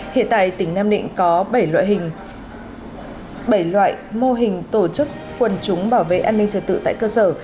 hiện tại tỉnh nam định có bảy loại mô hình tổ chức quần chúng bảo vệ an ninh trật tự tại cơ sở